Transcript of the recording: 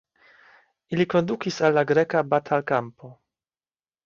Ili kondukis al la greka batalkampo.